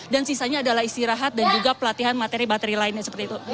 dan sisanya adalah istirahat dan juga pelatihan materi materi lainnya seperti itu